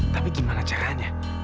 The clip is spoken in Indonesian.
tapi bagaimana caranya